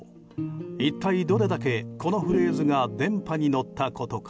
一体どれだけ、このフレーズが電波に乗ったことか。